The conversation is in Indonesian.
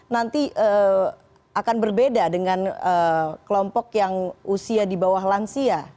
nanti akan berbeda dengan kelompok yang usia di bawah lansia